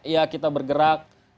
ya kita bergerak